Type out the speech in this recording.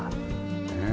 ねえ。